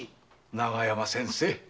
永山先生。